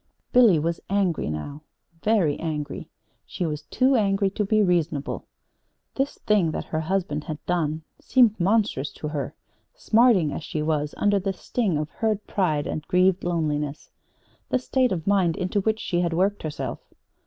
Billy was angry now very angry. She was too angry to be reasonable. This thing that her husband had done seemed monstrous to her, smarting, as she was, under the sting of hurt pride and grieved loneliness the state of mind into which she had worked herself.